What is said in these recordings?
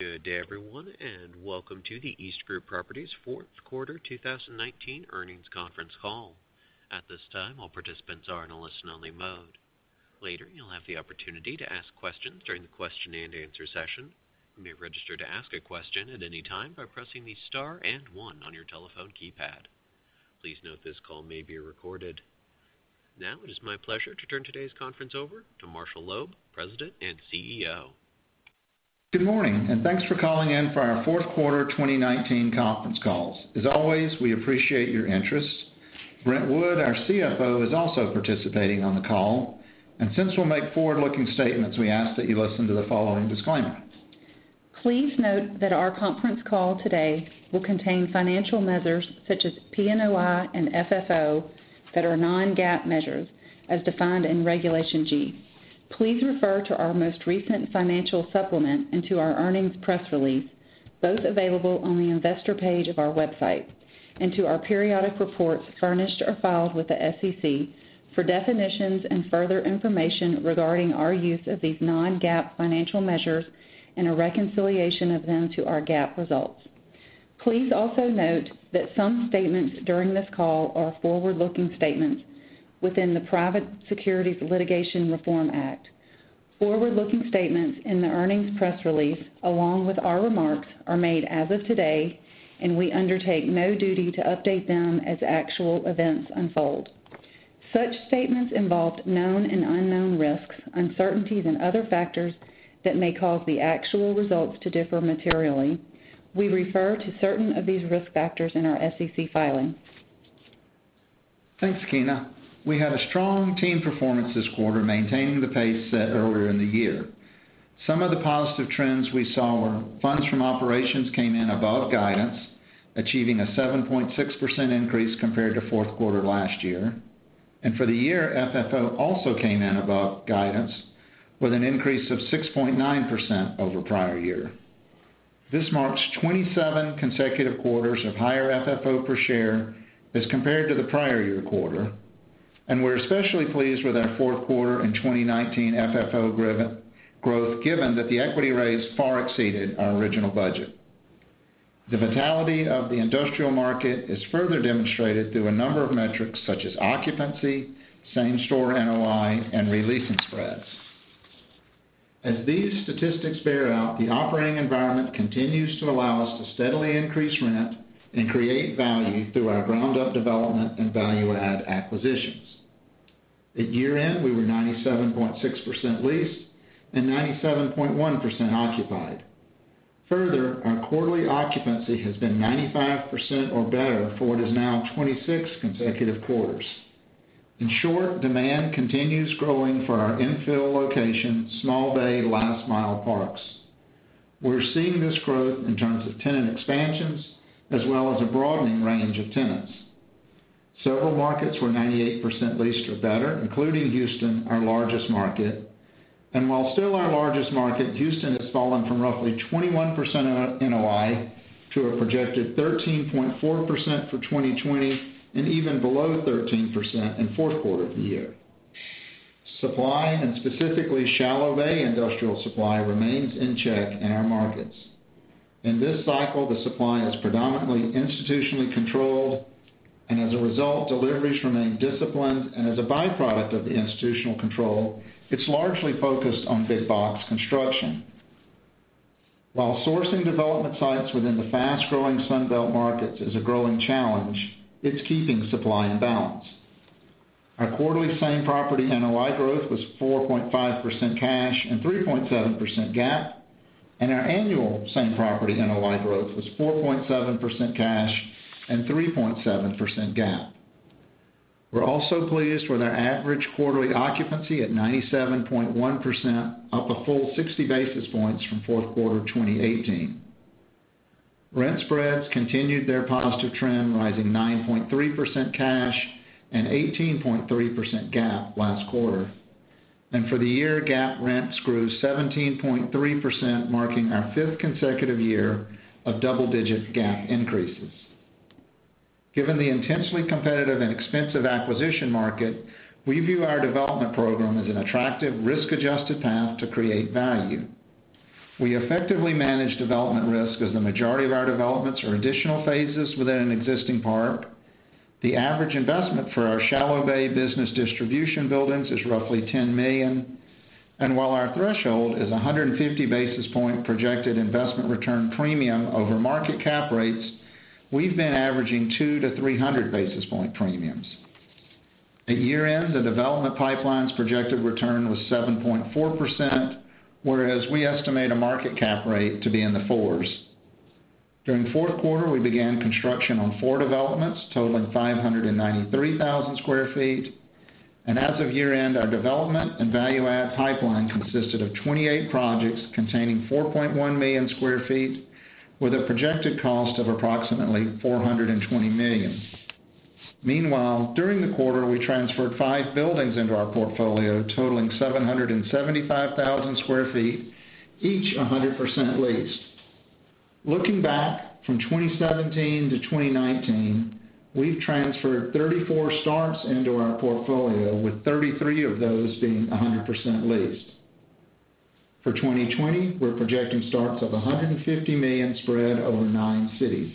Good day everyone, and welcome to the EastGroup Properties' Fourth Quarter 2019 Earnings Conference Call. At this time, all participants are in a listen-only mode. Later, you'll have the opportunity to ask questions during the question and answer session. You may register to ask a question at any time by pressing the star and one on your telephone keypad. Please note this call may be recorded. Now, it is my pleasure to turn today's conference over to Marshall Loeb, President and CEO. Good morning. Thanks for calling in for our fourth quarter 2019 conference call. As always, we appreciate your interest. Brent Wood, our CFO, is also participating on the call. Since we'll make forward-looking statements, we ask that you listen to the following disclaimer. Please note that our conference call today will contain financial measures such as PNOI and FFO that are non-GAAP measures as defined in Regulation G. Please refer to our most recent financial supplement into our earnings press release, both available on the investor page of our website, and to our periodic reports furnished or filed with the SEC for definitions and further information regarding our use of these non-GAAP financial measures and a reconciliation of them to our GAAP results. Please also note that some statements during this call are forward-looking statements within the Private Securities Litigation Reform Act. Forward-looking statements in the earnings press release, along with our remarks, are made as of today, and we undertake no duty to update them as actual events unfold. Such statements involve known and unknown risks, uncertainties, and other factors that may cause the actual results to differ materially. We refer to certain of these risk factors in our SEC filing. Thanks, Keena. We had a strong team performance this quarter, maintaining the pace set earlier in the year. Some of the positive trends we saw were funds from operations came in above guidance, achieving a 7.6% increase compared to fourth quarter last year. For the year, FFO also came in above guidance with an increase of 6.9% over prior year. This marks 27 consecutive quarters of higher FFO per share as compared to the prior year quarter, and we're especially pleased with our fourth quarter and 2019 FFO growth, given that the equity raise far exceeded our original budget. The vitality of the industrial market is further demonstrated through a number of metrics such as occupancy, same-store NOI, and releasing spreads. As these statistics bear out, the operating environment continues to allow us to steadily increase rent and create value through our ground-up development and value-add acquisitions. At year-end, we were 97.6% leased and 97.1% occupied. Further, our quarterly occupancy has been 95% or better for it is now 26 consecutive quarters. In short, demand continues growing for our infill location, small bay, last mile parks. We're seeing this growth in terms of tenant expansions, as well as a broadening range of tenants. Several markets were 98% leased or better, including Houston, our largest market. While still our largest market, Houston has fallen from roughly 21% NOI to a projected 13.4% for 2020 and even below 13% in fourth quarter of the year. Supply, specifically shallow bay industrial supply, remains in check in our markets. In this cycle, the supply is predominantly institutionally controlled, and as a result, deliveries remain disciplined, and as a byproduct of the institutional control, it's largely focused on big box construction. While sourcing development sites within the fast-growing Sunbelt markets is a growing challenge, it's keeping supply in balance. Our quarterly same-property NOI growth was 4.5% cash and 3.7% GAAP, and our annual same-property NOI growth was 4.7% cash and 3.7% GAAP. We're also pleased with our average quarterly occupancy at 97.1%, up a full 60 basis points from fourth quarter 2018. Rent spreads continued their positive trend, rising 9.3% cash and 18.3% GAAP last quarter. For the year, GAAP rents grew 17.3%, marking our fifth consecutive year of double-digit GAAP increases. Given the intensely competitive and expensive acquisition market, we view our development program as an attractive risk-adjusted path to create value. We effectively manage development risk as the majority of our developments are additional phases within an existing park. The average investment for our shallow bay business distribution buildings is roughly $10 million. While our threshold is 150 basis point projected investment return premium over market cap rates, we've been averaging 2 to 300 basis point premiums. At year-end, the development pipeline's projected return was 7.4%, whereas we estimate a market cap rate to be in the fours. During fourth quarter, we began construction on four developments totaling 593,000 square feet, and as of year-end, our development and value add pipeline consisted of 28 projects containing 4.1 million square feet with a projected cost of approximately $420 million. Meanwhile, during the quarter, we transferred five buildings into our portfolio, totaling 775,000 square feet, each 100% leased. Looking back from 2017 to 2019, we've transferred 34 starts into our portfolio, with 33 of those being 100% leased. For 2020, we're projecting starts of $150 million spread over nine cities.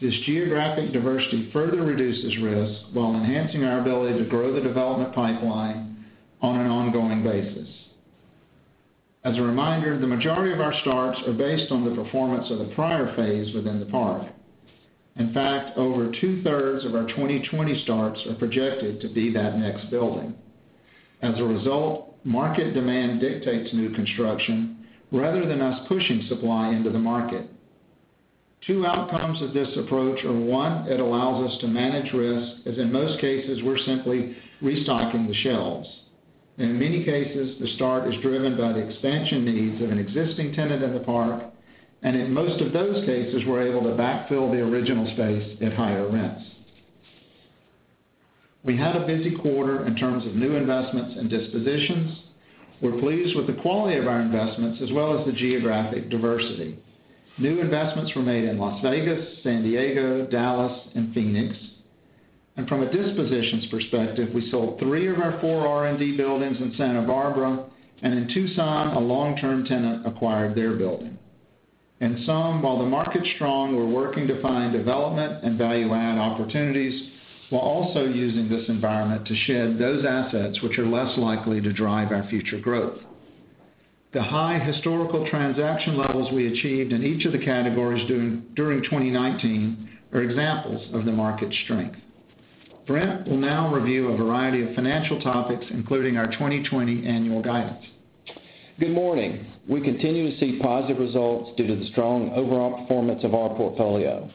This geographic diversity further reduces risk while enhancing our ability to grow the development pipeline on an ongoing basis. As a reminder, the majority of our starts are based on the performance of the prior phase within the park. In fact, over two-thirds of our 2020 starts are projected to be that next building. As a result, market demand dictates new construction rather than us pushing supply into the market. Two outcomes of this approach are, one, it allows us to manage risk, as in most cases, we're simply restocking the shelves. In many cases, the start is driven by the expansion needs of an existing tenant in the park, and in most of those cases, we're able to backfill the original space at higher rents. We had a busy quarter in terms of new investments and dispositions. We're pleased with the quality of our investments as well as the geographic diversity. New investments were made in Las Vegas, San Diego, Dallas, and Phoenix. From a dispositions perspective, we sold three of our four R&D buildings in Santa Barbara, and in Tucson, a long-term tenant acquired their building. In sum, while the market's strong, we're working to find development and value-add opportunities while also using this environment to shed those assets which are less likely to drive our future growth. The high historical transaction levels we achieved in each of the categories during 2019 are examples of the market's strength. Brent will now review a variety of financial topics, including our 2020 annual guidance. Good morning. We continue to see positive results due to the strong overall performance of our portfolio.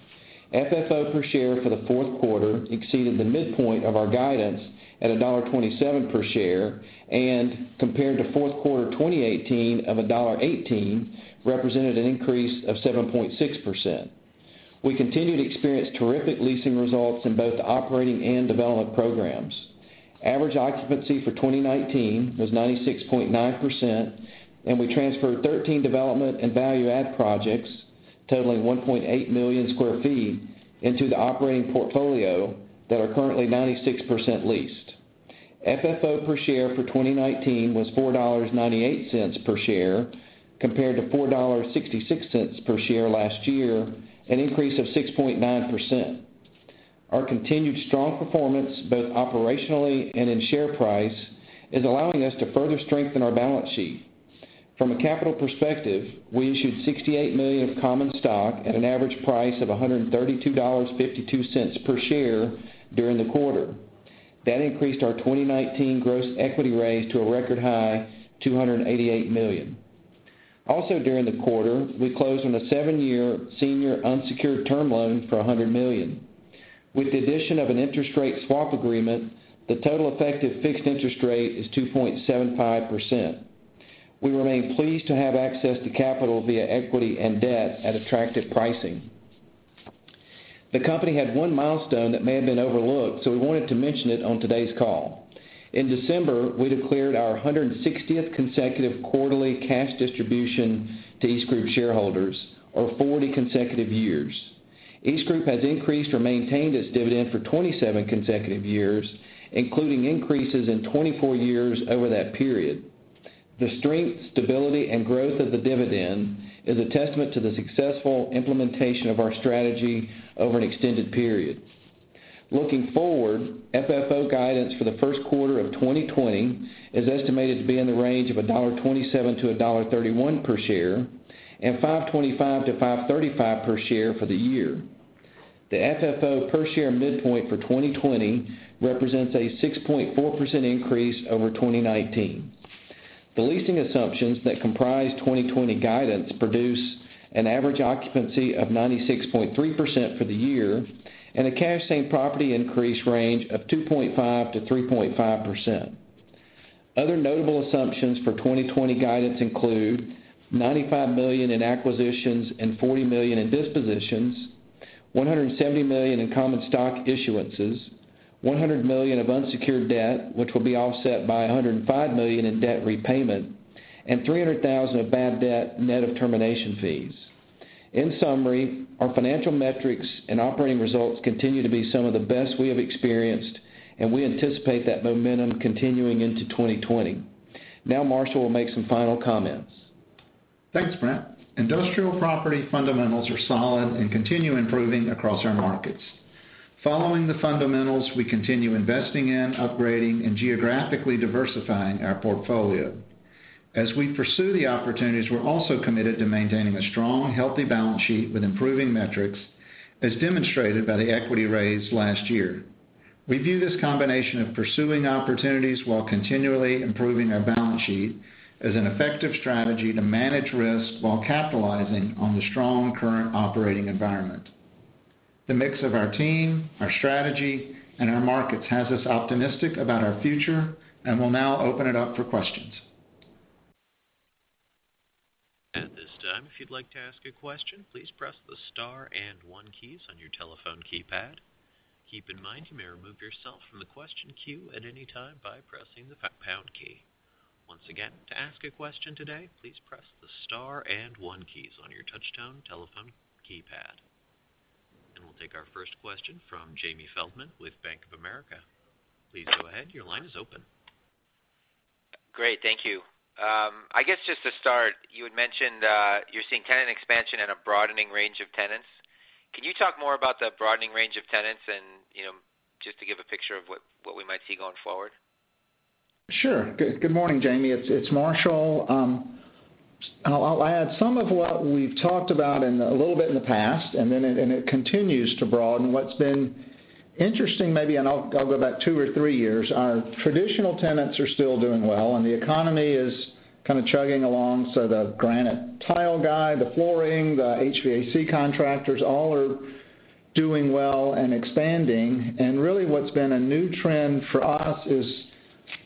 FFO per share for the fourth quarter exceeded the midpoint of our guidance at $1.27 per share, and compared to fourth quarter 2018 of $1.18, represented an increase of 7.6%. We continue to experience terrific leasing results in both operating and development programs. Average occupancy for 2019 was 96.9%, and we transferred 13 development and value add projects totaling 1.8 million sq ft into the operating portfolio that are currently 96% leased. FFO per share for 2019 was $4.98 per share, compared to $4.66 per share last year, an increase of 6.9%. Our continued strong performance, both operationally and in share price, is allowing us to further strengthen our balance sheet. From a capital perspective, we issued $68 million of common stock at an average price of $132.52 per share during the quarter. That increased our 2019 gross equity raise to a record high $288 million. Also during the quarter, we closed on a seven-year senior unsecured term loan for $100 million. With the addition of an interest rate swap agreement, the total effective fixed interest rate is 2.75%. We remain pleased to have access to capital via equity and debt at attractive pricing. The company had one milestone that may have been overlooked. We wanted to mention it on today's call. In December, we declared our 160th consecutive quarterly cash distribution to EastGroup shareholders, or 40 consecutive years. EastGroup has increased or maintained its dividend for 27 consecutive years, including increases in 24 years over that period. The strength, stability, and growth of the dividend is a testament to the successful implementation of our strategy over an extended period. Looking forward, FFO guidance for the first quarter of 2020 is estimated to be in the range of $1.27 to $1.31 per share, and $5.25 to $5.35 per share for the year. The FFO per share midpoint for 2020 represents a 6.4% increase over 2019. The leasing assumptions that comprise 2020 guidance produce an average occupancy of 96.3% for the year and a cash same-property increase range of 2.5%-3.5%. Other notable assumptions for 2020 guidance include $95 million in acquisitions and $40 million in dispositions, $170 million in common stock issuances, $100 million of unsecured debt, which will be offset by $105 million in debt repayment, and $300,000 of bad debt, net of termination fees. In summary, our financial metrics and operating results continue to be some of the best we have experienced, and we anticipate that momentum continuing into 2020. Now Marshall will make some final comments. Thanks, Brent. Industrial property fundamentals are solid and continue improving across our markets. Following the fundamentals, we continue investing in, upgrading, and geographically diversifying our portfolio. As we pursue the opportunities, we're also committed to maintaining a strong, healthy balance sheet with improving metrics, as demonstrated by the equity raise last year. We view this combination of pursuing opportunities while continually improving our balance sheet as an effective strategy to manage risk while capitalizing on the strong current operating environment. The mix of our team, our strategy, and our markets has us optimistic about our future, and we'll now open it up for questions. At this time, if you'd like to ask a question, please press the star and one keys on your telephone keypad. Keep in mind, you may remove yourself from the question queue at any time by pressing the pound key. Once again, to ask a question today, please press the star and one keys on your touchtone telephone keypad. We'll take our first question from Jamie Feldman with Bank of America. Please go ahead. Your line is open. Great. Thank you. I guess just to start, you had mentioned you're seeing tenant expansion and a broadening range of tenants. Can you talk more about the broadening range of tenants and just to give a picture of what we might see going forward? Sure. Good morning, Jamie. It's Marshall. I'll add some of what we've talked about a little bit in the past, and then it continues to broaden. What's been interesting, maybe, and I'll go back two or three years, our traditional tenants are still doing well, and the economy is kind of chugging along, so the granite tile guy, the flooring, the HVAC contractors, all are doing well and expanding. Really what's been a new trend for us is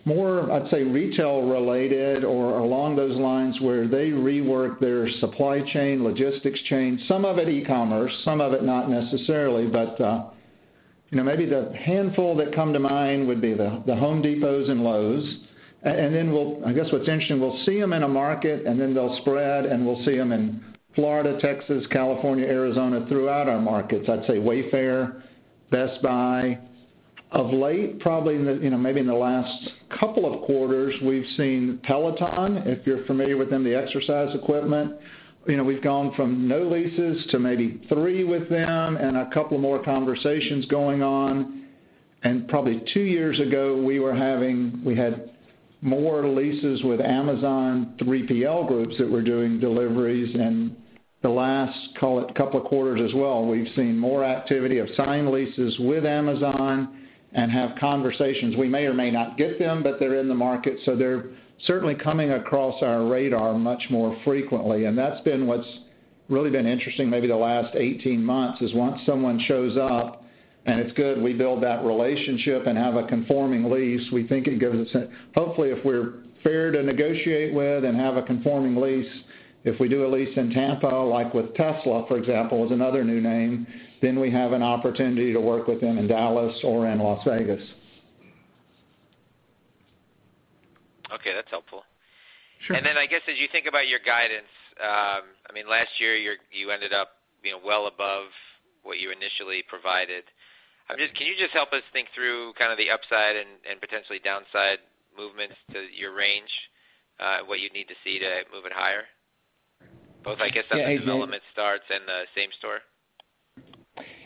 more, I'd say, retail-related or along those lines, where they rework their supply chain, logistics chain. Some of it e-commerce, some of it not necessarily. Maybe the handful that come to mind would be The Home Depot and Lowe's. Then, I guess what's interesting, we'll see them in a market, and then they'll spread, and we'll see them in Florida, Texas, California, Arizona, throughout our markets. I'd say Wayfair, Best Buy. Of late, probably maybe in the last couple of quarters, we've seen Peloton, if you're familiar with them, the exercise equipment. We've gone from no leases to maybe three with them and a couple more conversations going on. Probably two years ago, we had more leases with Amazon 3PL groups that were doing deliveries. The last, call it, couple of quarters as well, we've seen more activity of signed leases with Amazon and have conversations. We may or may not get them, but they're in the market, so they're certainly coming across our radar much more frequently. That's been what's really been interesting, maybe the last 18 months, is once someone shows up, and it's good, we build that relationship and have a conforming lease. Hopefully, if we're fair to negotiate with and have a conforming lease, if we do a lease in Tampa, like with Tesla, for example, is another new name, then we have an opportunity to work with them in Dallas or in Las Vegas. Okay, that's helpful. Sure. I guess as you think about your guidance, last year, you ended up well above what you initially provided. Can you just help us think through kind of the upside and potentially downside movements to your range, what you'd need to see to move it higher? I guess, on the development starts and the same store.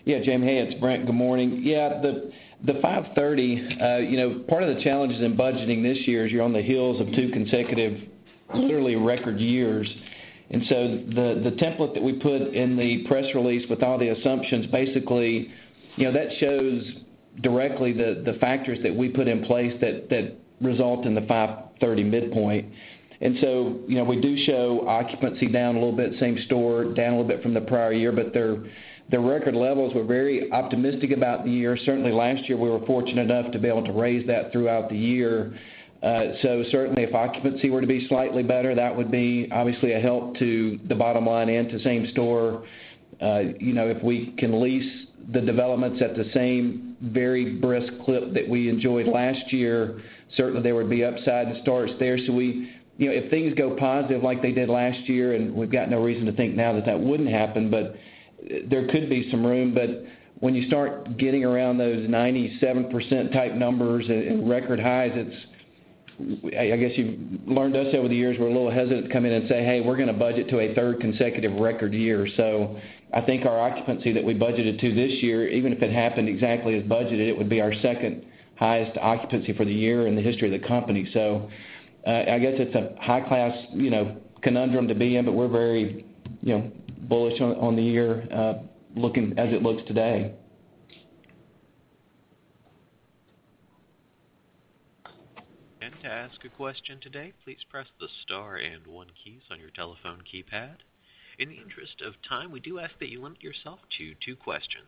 Yeah, Jamie. Hey, it's Brent. Good morning. Yeah, the 530, part of the challenges in budgeting this year is you're on the heels of two consecutive, clearly, record years. The template that we put in the press release with all the assumptions, basically that shows directly the factors that we put in place that result in the 530 midpoint. We do show occupancy down a little bit, same store, down a little bit from the prior year, but their record levels were very optimistic about the year. Certainly last year, we were fortunate enough to be able to raise that throughout the year. Certainly if occupancy were to be slightly better, that would be obviously a help to the bottom line and to same store. If we can lease the developments at the same very brisk clip that we enjoyed last year, certainly there would be upside in the stores there. If things go positive like they did last year, and we've got no reason to think now that that wouldn't happen, but there could be some room. When you start getting around those 97%-type numbers and record highs, I guess you've learned us over the years, we're a little hesitant to come in and say, "Hey, we're going to budget to a third consecutive record year." I think our occupancy that we budgeted to this year, even if it happened exactly as budgeted, it would be our second highest occupancy for the year in the history of the company. I guess it's a high-class conundrum to be in, but we're very bullish on the year, looking as it looks today. To ask a question today, please press the star and one keys on your telephone keypad. In the interest of time, we do ask that you limit yourself to two questions.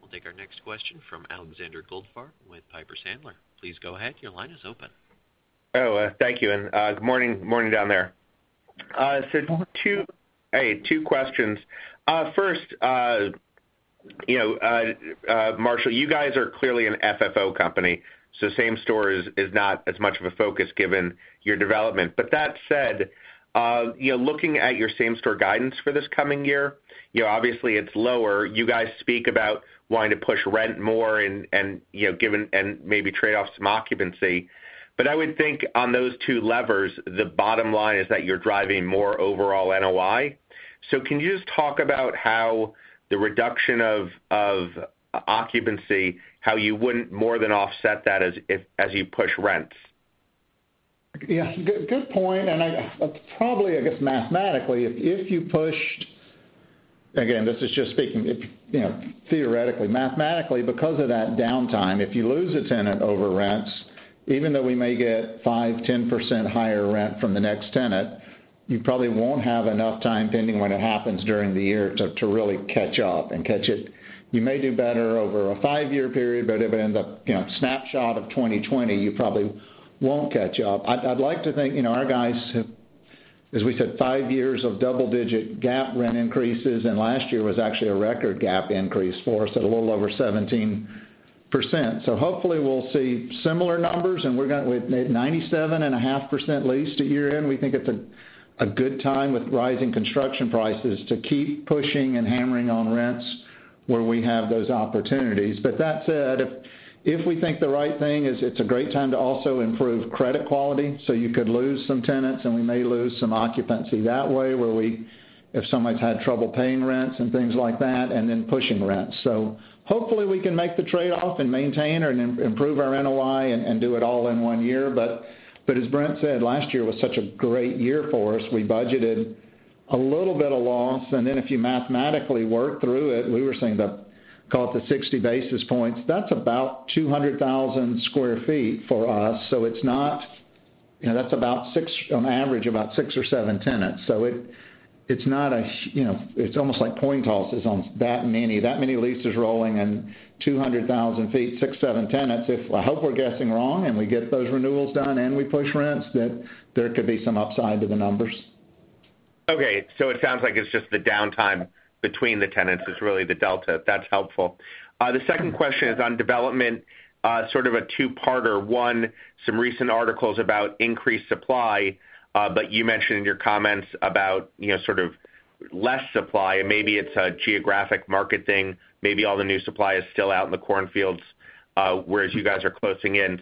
We'll take our next question from Alexander Goldfarb with Piper Sandler. Please go ahead. Your line is open. Oh, thank you. Good morning down there. Two questions. First, Marshall, you guys are clearly an FFO company, so same store is not as much of a focus given your development. That said, looking at your same store guidance for this coming year, obviously it's lower. You guys speak about wanting to push rent more and maybe trade off some occupancy. I would think on those two levers, the bottom line is that you're driving more overall NOI. Can you just talk about how the reduction of occupancy, how you wouldn't more than offset that as you push rents? Good point. Probably, I guess mathematically, if you pushed, again, this is just speaking theoretically. Mathematically, because of that downtime, if you lose a tenant over rents, even though we may get 5%, 10% higher rent from the next tenant, you probably won't have enough time pending when it happens during the year to really catch up and catch it. You may do better over a five-year period, but if it ends up snapshot of 2020, you probably won't catch up. I'd like to think our guys have. As we said, five years of double-digit GAAP rent increases, and last year was actually a record GAAP increase for us at a little over 17%. Hopefully we'll see similar numbers and we've made 97.5% leased at year-end. We think it's a good time with rising construction prices to keep pushing and hammering on rents where we have those opportunities. That said, if we think the right thing is it's a great time to also improve credit quality, so you could lose some tenants, and we may lose some occupancy that way where if someone's had trouble paying rents and things like that, and then pushing rents. Hopefully we can make the trade-off and maintain or improve our NOI and do it all in one year. As Brent said, last year was such a great year for us. We budgeted a little bit of loss, and then if you mathematically work through it, we were saying call it the 60 basis points. That's about 200,000 sq ft for us. That's on average about six or seven tenants. It's almost like coin tosses on that many leases rolling and 200,000 sq ft, six, seven tenants. I hope we're guessing wrong and we get those renewals done and we push rents, that there could be some upside to the numbers. Okay. It sounds like it's just the downtime between the tenants is really the delta. That's helpful. The second question is on development, sort of a two-parter. One, some recent articles about increased supply, but you mentioned in your comments about sort of less supply, and maybe it's a geographic market thing. Maybe all the new supply is still out in the cornfields, whereas you guys are closing in.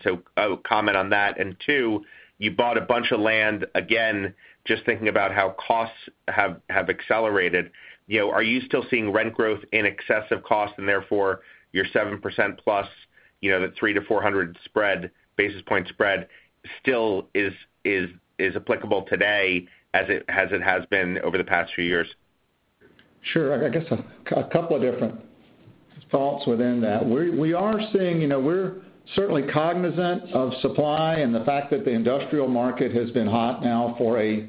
Comment on that. Two, you bought a bunch of land. Again, just thinking about how costs have accelerated. Are you still seeing rent growth in excess of cost and therefore your 7%+, the 300-400 spread, basis point spread still is applicable today as it has been over the past few years? Sure. I guess a couple of different thoughts within that. We're certainly cognizant of supply and the fact that the industrial market has been hot now for a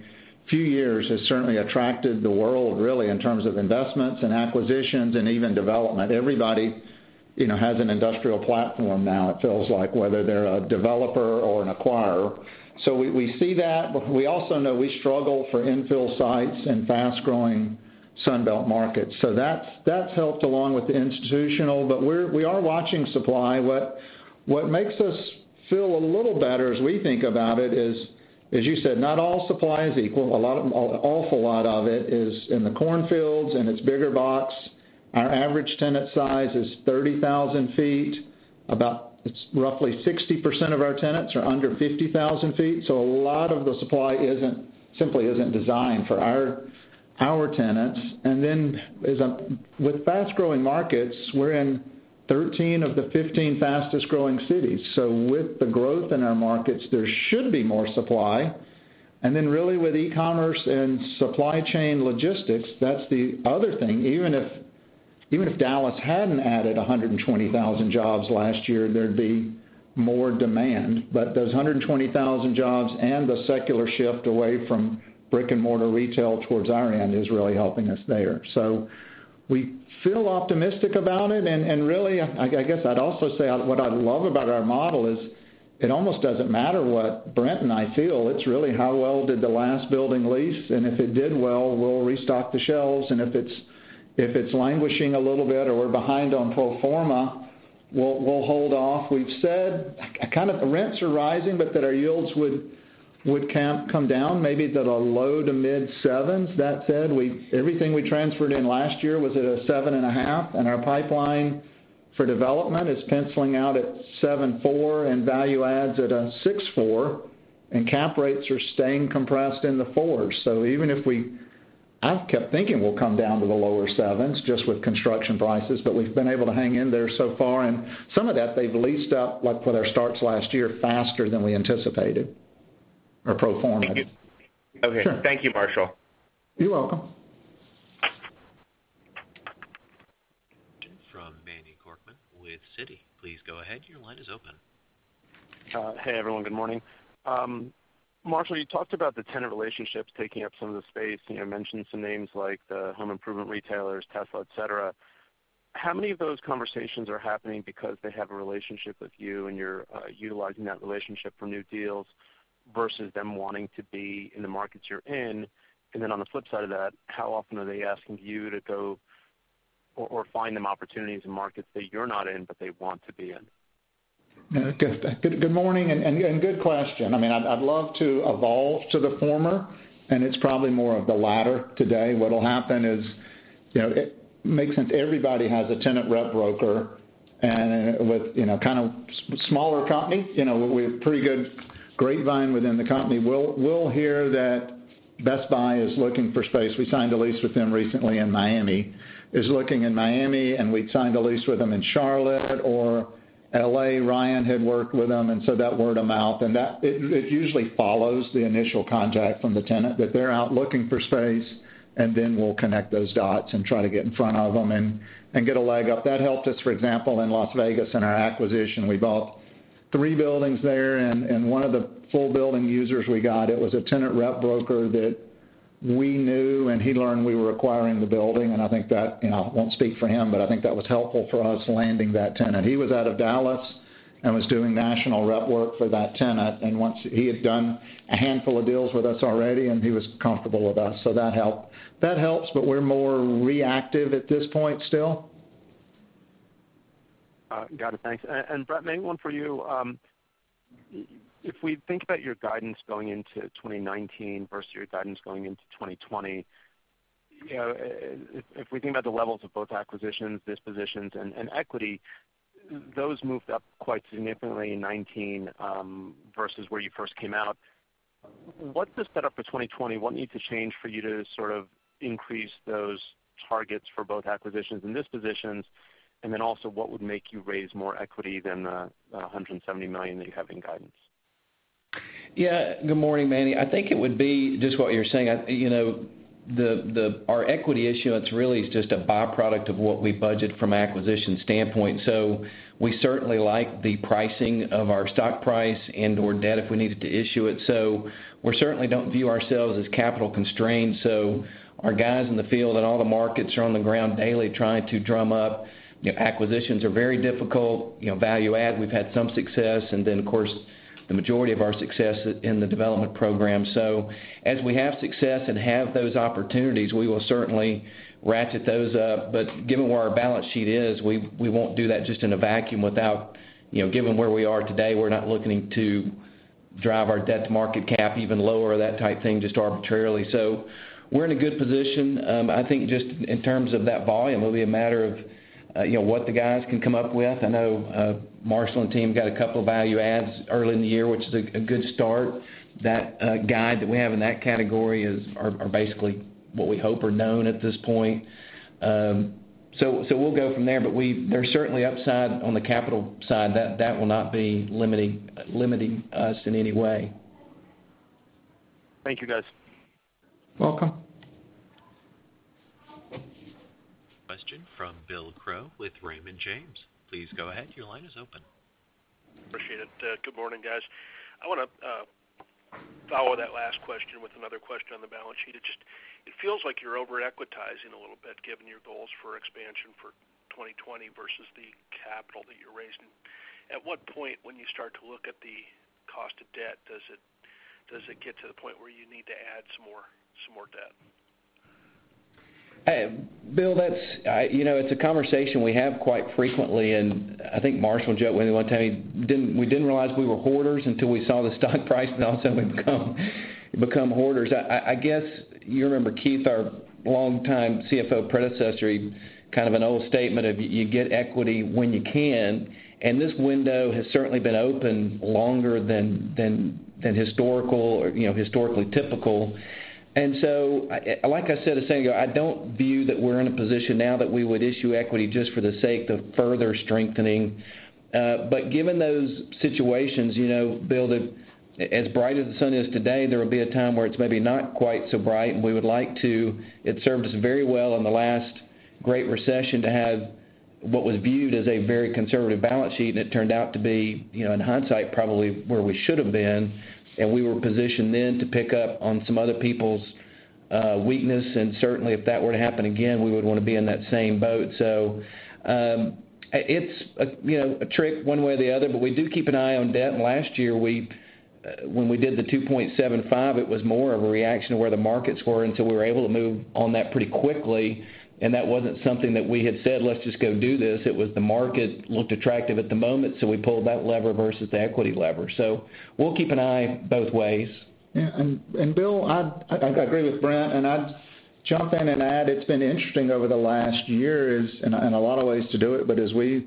few years, has certainly attracted the world really in terms of investments and acquisitions and even development. Everybody has an industrial platform now, it feels like, whether they're a developer or an acquirer. We see that, but we also know we struggle for infill sites in fast-growing Sunbelt markets. That's helped along with the institutional. We are watching supply. What makes us feel a little better as we think about it is, as you said, not all supply is equal. An awful lot of it is in the cornfields, and it's bigger box. Our average tenant size is 30,000 feet. About roughly 60% of our tenants are under 50,000 feet. A lot of the supply simply isn't designed for our tenants. With fast-growing markets, we're in 13 of the 15 fastest growing cities. With the growth in our markets, there should be more supply. Really with e-commerce and supply chain logistics, that's the other thing. Even if Dallas hadn't added 120,000 jobs last year, there'd be more demand. Those 120,000 jobs and the secular shift away from brick and mortar retail towards our end is really helping us there. We feel optimistic about it, and really, I guess I'd also say what I love about our model is it almost doesn't matter what Brent and I feel. It's really how well did the last building lease, and if it did well, we'll restock the shelves, and if it's languishing a little bit or we're behind on pro forma, we'll hold off. We've said kind of the rents are rising, but that our yields would come down maybe to the low to mid sevens. That said, everything we transferred in last year was at a seven and a half, and our pipeline for development is penciling out at 7.4 and value adds at a 6.4, and cap rates are staying compressed in the fours. Even if I've kept thinking we'll come down to the lower sevens just with construction prices, but we've been able to hang in there so far. Some of that they've leased up, like for their starts last year, faster than we anticipated or pro formated. Thank you. Sure. Okay. Thank you, Marshall. You're welcome. From Manny Korchman with Citi. Please go ahead. Your line is open. Hey, everyone. Good morning. Marshall, you talked about the tenant relationships taking up some of the space. You mentioned some names like the home improvement retailers, Tesla, et cetera. How many of those conversations are happening because they have a relationship with you and you're utilizing that relationship for new deals versus them wanting to be in the markets you're in? On the flip side of that, how often are they asking you to go or find them opportunities in markets that you're not in, but they want to be in? Good morning, and good question. I'd love to evolve to the former, and it's probably more of the latter today. What'll happen is, it makes sense. Everybody has a tenant rep broker, and with kind of smaller company, with pretty good grapevine within the company. We'll hear that Best Buy is looking for space. We signed a lease with them recently in Miami, is looking in Miami, and we'd signed a lease with them in Charlotte or L.A. Ryan had worked with them, and so that word of mouth. It usually follows the initial contact from the tenant that they're out looking for space, and then we'll connect those dots and try to get in front of them and get a leg up. That helped us, for example, in Las Vegas in our acquisition. We bought three buildings there. One of the full building users we got, it was a tenant rep broker that we knew. He learned we were acquiring the building. I think that, I won't speak for him, I think that was helpful for us landing that tenant. He was out of Dallas, was doing national rep work for that tenant. Once he had done a handful of deals with us already, he was comfortable with us. That helped. That helps. We're more reactive at this point still. Got it. Thanks. Brent, maybe one for you. If we think about your guidance going into 2019 versus your guidance going into 2020, if we think about the levels of both acquisitions, dispositions, and equity, those moved up quite significantly in 2019, versus where you first came out. What's the setup for 2020? What needs to change for you to sort of increase those targets for both acquisitions and dispositions? Then also, what would make you raise more equity than the $170 million that you have in guidance? Yeah. Good morning, Manny. I think it would be just what you're saying. Our equity issuance really is just a byproduct of what we budget from acquisition standpoint. We certainly like the pricing of our stock price and/or debt if we needed to issue it. We certainly don't view ourselves as capital constrained. Our guys in the field and all the markets are on the ground daily trying to drum up. Acquisitions are very difficult. Value add, we've had some success, and then of course, the majority of our success in the development program. As we have success and have those opportunities, we will certainly ratchet those up. Given where our balance sheet is, we won't do that just in a vacuum without, you know, given where we are today, we're not looking to drive our debt to market cap even lower, that type thing, just arbitrarily. We're in a good position. I think just in terms of that volume, it'll be a matter of what the guys can come up with. I know Marshall and team got a couple of value adds early in the year, which is a good start. That guide that we have in that category are basically what we hope are known at this point. We'll go from there, but there's certainly upside on the capital side. That will not be limiting us in any way. Thank you, guys. Welcome. Question from Bill Crow with Raymond James. Please go ahead. Your line is open. Appreciate it. Good morning, guys. I want to follow that last question with another question on the balance sheet. It feels like you're over-equitizing a little bit, given your goals for expansion for 2020 versus the capital that you raised. At what point, when you start to look at the cost of debt, does it get to the point where you need to add some more debt? Bill, it's a conversation we have quite frequently, and I think Marshall joked with me one time, we didn't realize we were hoarders until we saw the stock price, and all of a sudden we've become hoarders. I guess you remember Keith, our longtime CFO predecessor, kind of an old statement of you get equity when you can, and this window has certainly been open longer than historically typical. Like I said, I don't view that we're in a position now that we would issue equity just for the sake of further strengthening. Given those situations, Bill, as bright as the sun is today, there will be a time where it's maybe not quite so bright, and we would like to. It served us very well in the last great recession to have what was viewed as a very conservative balance sheet, and it turned out to be, in hindsight, probably where we should have been. We were positioned then to pick up on some other people's weakness, and certainly, if that were to happen again, we would want to be in that same boat. It's a trick one way or the other, but we do keep an eye on debt. Last year, when we did the 2.75, it was more of a reaction to where the markets were until we were able to move on that pretty quickly. That wasn't something that we had said, "Let's just go do this." It was the market looked attractive at the moment, so we pulled that lever versus the equity lever. We'll keep an eye both ways. Yeah. Bill, I agree with Brent, and I'd jump in and add, it's been interesting over the last years in a lot of ways to do it. As we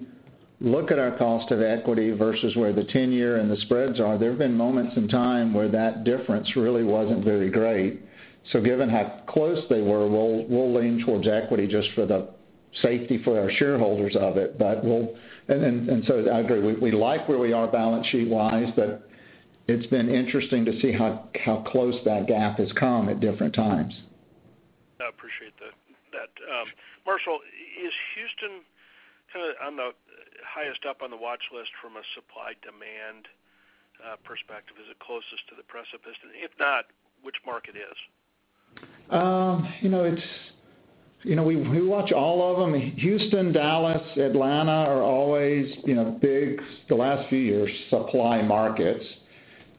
look at our cost of equity versus where the 10-year and the spreads are, there have been moments in time where that difference really wasn't very great. Given how close they were, we'll lean towards equity just for the safety for our shareholders of it. I agree. We like where we are balance sheet-wise, but it's been interesting to see how close that gap has come at different times. I appreciate that. Marshall, is Houston kind of on the highest up on the watch list from a supply-demand perspective? Is it closest to the precipice? If not, which market is? We watch all of them. Houston, Dallas, Atlanta are always big, the last few years, supply markets.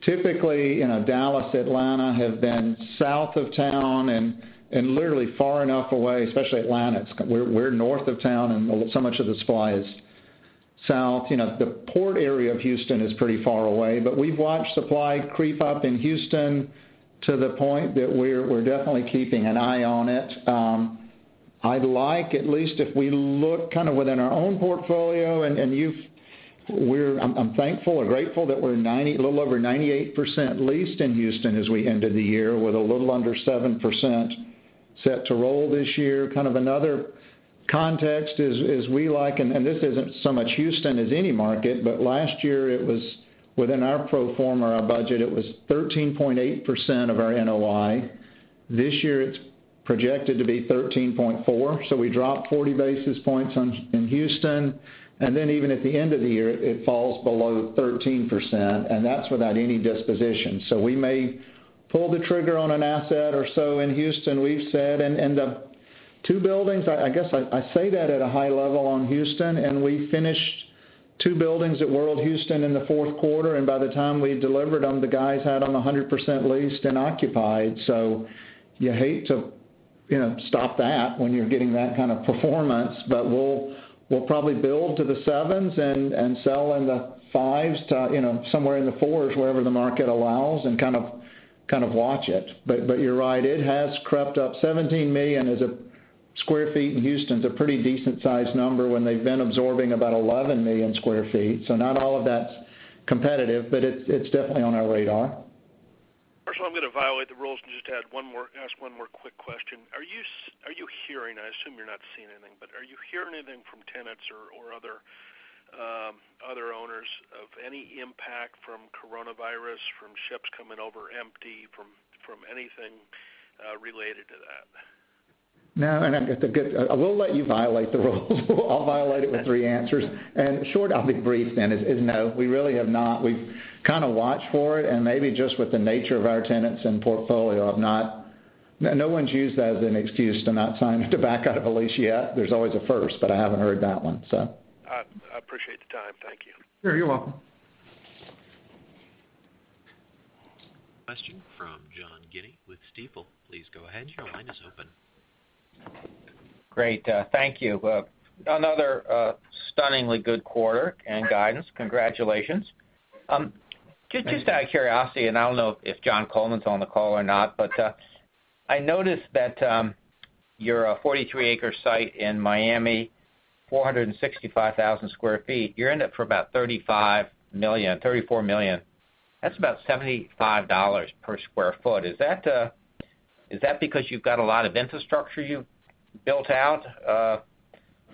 Typically, Dallas, Atlanta have been south of town and literally far enough away, especially Atlanta. We're north of town, and so much of the supply is south. The port area of Houston is pretty far away, but we've watched supply creep up in Houston to the point that we're definitely keeping an eye on it. I'd like at least if we look kind of within our own portfolio, and I'm thankful or grateful that we're a little over 98% leased in Houston as we ended the year, with a little under 7% set to roll this year. Kind of another context is we like, and this isn't so much Houston as any market, but last year it was within our pro forma, our budget, it was 13.8% of our NOI. This year, it's projected to be 13.4. We dropped 40 basis points in Houston, and then even at the end of the year, it falls below 13%, and that's without any dispositions. We may pull the trigger on an asset or so in Houston, we've said. The two buildings, I guess I say that at a high level on Houston, and we finished two buildings at World Houston in the fourth quarter, and by the time we delivered them, the guys had them 100% leased and occupied. You hate to stop that when you're getting that kind of performance. We'll probably build to the sevens and sell in the fives to somewhere in the fours, wherever the market allows, and kind of watch it. You're right, it has crept up. 17 million square feet in Houston is a pretty decent-sized number when they've been absorbing about 11 million square feet. Not all of that's competitive, but it's definitely on our radar. Marshall, I'm going to violate the rules and just ask one more quick question. Are you hearing, I assume you're not seeing anything, but are you hearing anything from tenants or other owners of any impact from coronavirus, from ships coming over empty, from anything related to that? No, I will let you violate the rules. I'll violate it with three answers. Short, I'll be brief, is no, we really have not. We've kind of watched for it, maybe just with the nature of our tenants and portfolio. No one's used that as an excuse to not sign or to back out of a lease yet. There's always a first. I haven't heard that one. I appreciate the time. Thank you. Sure. You're welcome. Question from John Guinee with Stifel. Please go ahead, your line is open. Great. Thank you. Another stunningly good quarter and guidance. Congratulations. Just out of curiosity, I don't know if John Coleman's on the call or not, I noticed that your 43-acre site in Miami, 465,000 square feet, you're in it for about $35 million, $34 million. That's about $75 per square foot. Is that because you've got a lot of infrastructure you've built out?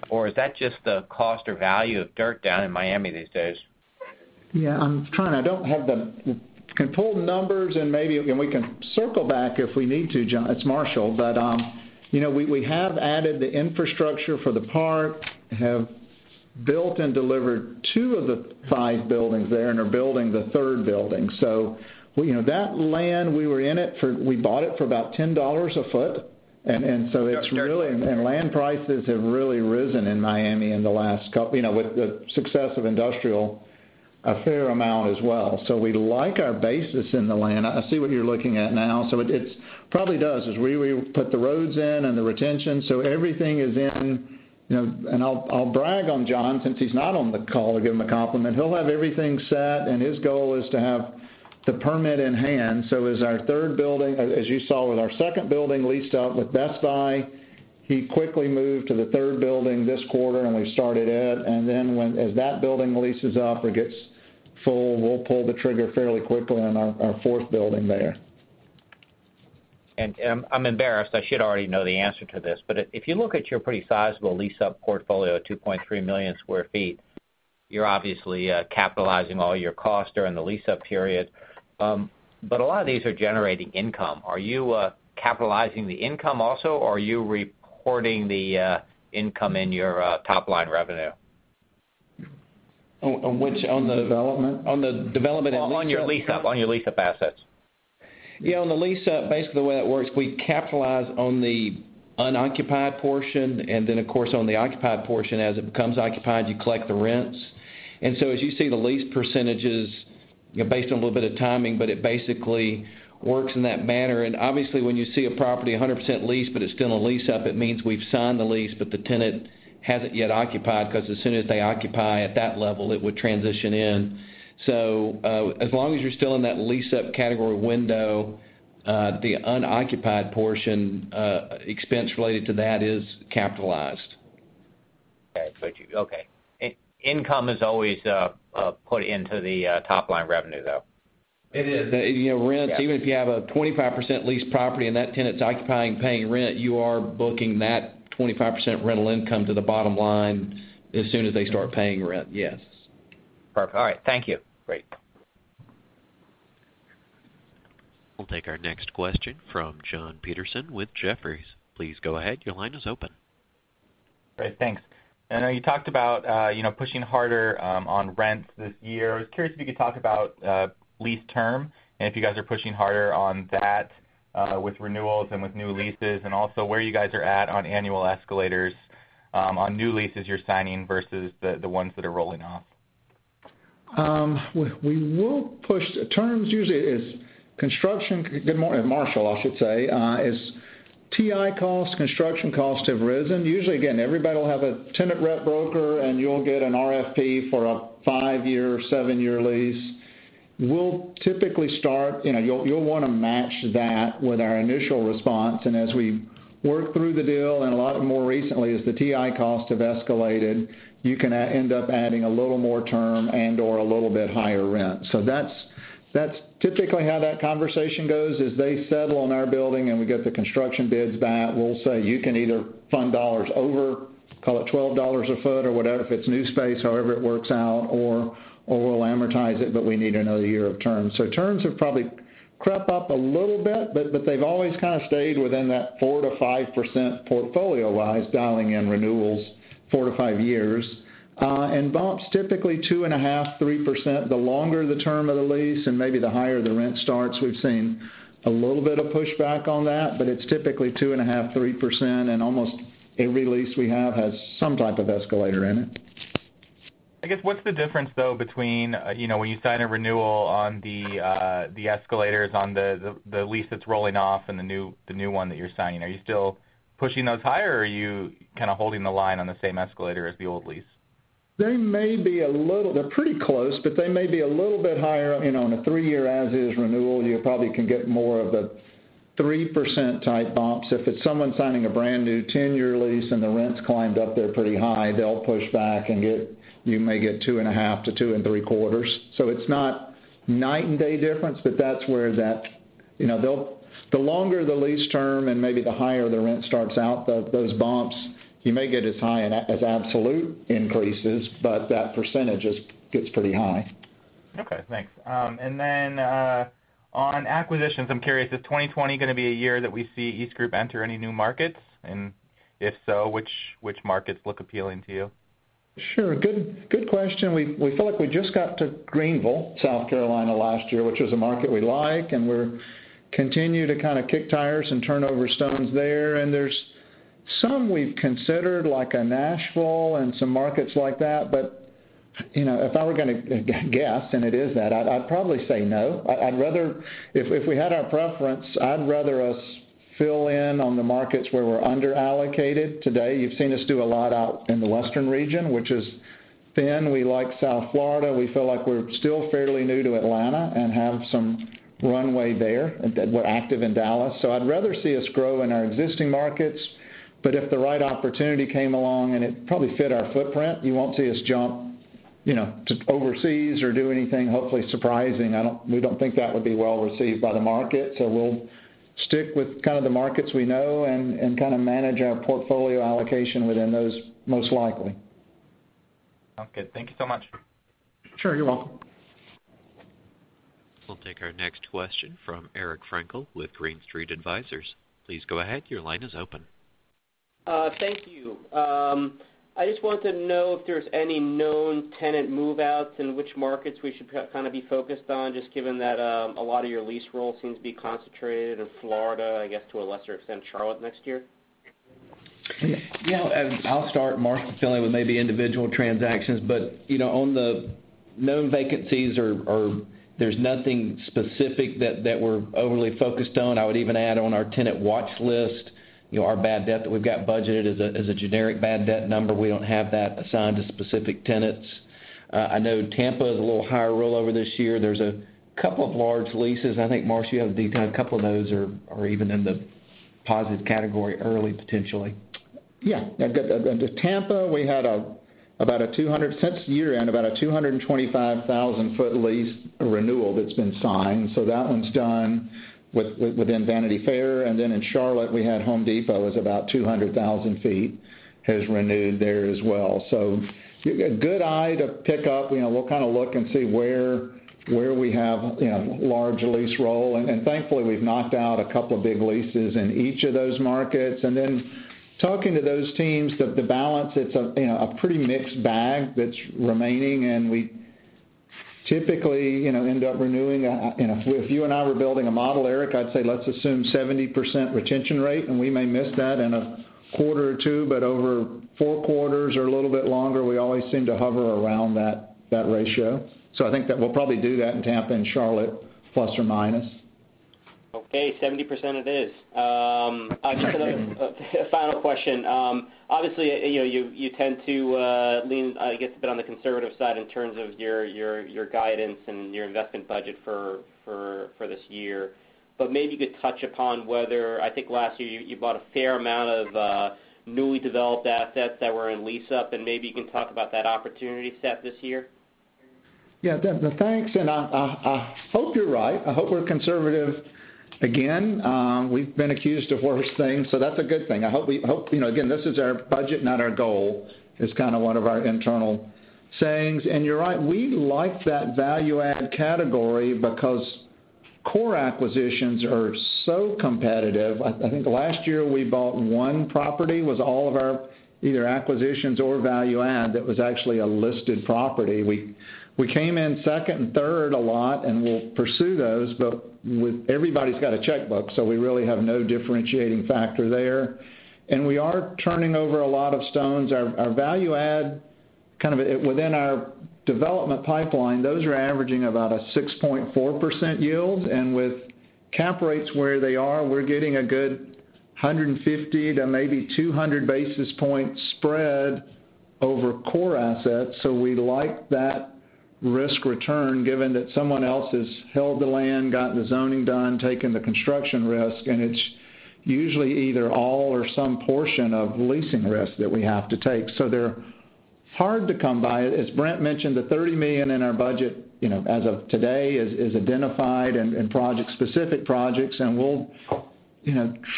Or is that just the cost or value of dirt down in Miami these days? I'm trying. I don't have the complete numbers, and we can circle back if we need to, John. It's Marshall. We have added the infrastructure for the park, have built and delivered two of the five buildings there, and are building the third building. That land, we bought it for about $10 a foot, and land prices have really risen in Miami with the success of industrial, a fair amount as well. We like our basis in the land. I see what you're looking at now. It probably does, as we put the roads in and the retention. Everything is in. I'll brag on John since he's not on the call, to give him a compliment. He'll have everything set, and his goal is to have the permit in hand. As our third building, as you saw with our second building leased out with Best Buy, he quickly moved to the third building this quarter, and we started it. As that building leases up or gets full, we'll pull the trigger fairly quickly on our fourth building there. I'm embarrassed. I should already know the answer to this. If you look at your pretty sizable lease-up portfolio, 2.3 million sq ft, you're obviously capitalizing all your costs during the lease-up period. A lot of these are generating income. Are you capitalizing the income also, or are you reporting the income in your top-line revenue? On which? On the development? On the development itself? Well, on your lease-up assets. Yeah. On the lease-up, basically the way it works, we capitalize on the unoccupied portion, and then of course on the occupied portion, as it becomes occupied, you collect the rents. As you see the lease percentages, based on a little bit of timing, but it basically works in that manner. Obviously, when you see a property 100% leased, but it's still a lease-up, it means we've signed the lease, but the tenant hasn't yet occupied, because as soon as they occupy at that level, it would transition in. As long as you're still in that lease-up category window, the unoccupied portion, expense related to that is capitalized. Okay. Income is always put into the top-line revenue, though? It is. You know, rent, even if you have a 25% leased property and that tenant's occupying, paying rent, you are booking that 25% rental income to the bottom line as soon as they start paying rent. Yes. Perfect. All right. Thank you. Great. We'll take our next question from Jon Petersen with Jefferies. Please go ahead. Your line is open. Great. Thanks. I know you talked about pushing harder on rents this year. I was curious if you could talk about lease term, and if you guys are pushing harder on that with renewals and with new leases, and also where you guys are at on annual escalators on new leases you're signing versus the ones that are rolling off. We will push terms. Usually, it's construction. Good morning. Marshall, I should say. As TI costs, construction costs have risen. Usually, again, everybody will have a tenant rep broker, and you'll get an RFP for a five-year, seven-year lease. We'll typically start, you'll want to match that with our initial response. As we work through the deal, and a lot more recently, as the TI costs have escalated, you can end up adding a little more term and/or a little bit higher rent. That's typically how that conversation goes, is they settle on our building, and we get the construction bids back. We'll say, "You can either fund dollars, call it $12 a foot or whatever, if it's new space, however it works out, or we'll amortize it, but we need another year of terms. Terms have probably crept up a little bit, but they've always kind of stayed within that 4%-5% portfolio-wise, dialing in renewals four to five years. Bumps, typically 2.5%, 3%. The longer the term of the lease and maybe the higher the rent starts, we've seen a little bit of pushback on that, but it's typically 2.5%, 3%, and almost every lease we have has some type of escalator in it. I guess, what's the difference, though, between when you sign a renewal on the escalators on the lease that's rolling off and the new one that you're signing? Are you still pushing those higher, or are you kind of holding the line on the same escalator as the old lease? They're pretty close, they may be a little bit higher. In a three-year as is renewal, you probably can get more of a 3% type bumps. If it's someone signing a brand new 10-year lease and the rent's climbed up there pretty high, they'll push back and you may get 2.5%-2.75%. It's not night and day difference, the longer the lease term and maybe the higher the rent starts out, those bumps, you may get as high as absolute increases, but that percentage gets pretty high. Okay, thanks. Then, on acquisitions, I'm curious, is 2020 going to be a year that we see EastGroup enter any new markets? If so, which markets look appealing to you? Sure. Good question. We feel like we just got to Greenville, South Carolina last year, which is a market we like, and we continue to kind of kick tires and turn over stones there. There's some we've considered, like a Nashville and some markets like that. If I were going to guess, and it is that, I'd probably say no. If we had our preference, I'd rather us fill in on the markets where we're under-allocated today. You've seen us do a lot out in the western region, which is thin. We like South Florida. We feel like we're still fairly new to Atlanta and have some runway there. We're active in Dallas. I'd rather see us grow in our existing markets. If the right opportunity came along and it probably fit our footprint, you won't see us jump overseas or do anything hopefully surprising. We don't think that would be well received by the market. We'll stick with kind of the markets we know and kind of manage our portfolio allocation within those, most likely. Okay. Thank you so much. Sure, you're welcome. We'll take our next question from Eric Frankel with Green Street Advisors. Please go ahead. Your line is open. Thank you. I just wanted to know if there's any known tenant move-outs, in which markets we should kind of be focused on, just given that a lot of your lease roll seems to be concentrated in Florida, I guess to a lesser extent, Charlotte next year. Yeah. I'll start. Marc can fill in with maybe individual transactions. On the known vacancies, there's nothing specific that we're overly focused on. I would even add on our tenant watch list, our bad debt that we've got budgeted as a generic bad debt number. We don't have that assigned to specific tenants. I know Tampa is a little higher roll over this year. There's a couple of large leases. I think, Marshall, you have the detail. A couple of those are even in the positive category early, potentially. Yeah. Tampa, since year-end, about a 225,000-foot lease renewal that's been signed. That one's done within Vanity Fair. In Charlotte, we had The Home Depot. It was about 200,000 feet, has renewed there as well. A good eye to pick up. We'll kind of look and see where we have large lease roll. Thankfully, we've knocked out a couple of big leases in each of those markets. Talking to those teams, the balance, it's a pretty mixed bag that's remaining, and we typically end up renewing. If you and I were building a model, Eric, I'd say let's assume 70% retention rate, and we may miss that in a quarter or two, but over four quarters or a little bit longer, we always seem to hover around that ratio. I think that we'll probably do that in Tampa and Charlotte, plus or minus. Okay. 70% it is. Thank you. A final question. Obviously, you tend to lean, I guess, a bit on the conservative side in terms of your guidance and your investment budget for this year. Maybe you could touch upon whether, I think last year, you bought a fair amount of newly developed assets that were in lease-up, and maybe you can talk about that opportunity set this year. Yeah, thanks. I hope you're right. I hope we're conservative again. We've been accused of worse things, that's a good thing. This is our budget, not our goal, is kind of one of our internal sayings. You're right. We like that value add category because core acquisitions are so competitive. I think last year we bought one property, was all of our either acquisitions or value add that was actually a listed property. We came in second and third a lot, we'll pursue those, everybody's got a checkbook, we really have no differentiating factor there. We are turning over a lot of stones. Our value add kind of within our development pipeline, those are averaging about a 6.4% yield. With cap rates where they are, we're getting a good 150 to maybe 200 basis points spread over core assets. We like that risk return given that someone else has held the land, gotten the zoning done, taken the construction risk, and it's usually either all or some portion of leasing risk that we have to take. It's hard to come by. As Brent mentioned, the $30 million in our budget, as of today, is identified in specific projects, and we'll